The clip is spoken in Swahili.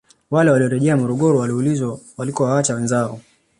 Wale waliorejea Morogoro waliulizwa walikowaacha wenzao